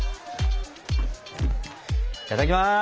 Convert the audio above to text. いただきます。